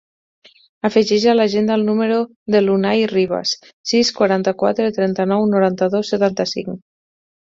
Afegeix a l'agenda el número de l'Unay Ribas: sis, quaranta-quatre, trenta-nou, noranta-dos, setanta-cinc.